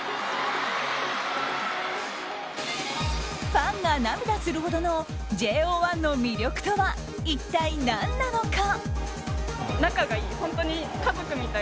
ファンが涙するほどのＪＯ１の魅力とは一体何なのか。